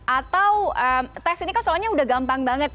atau tes ini kan soalnya udah gampang banget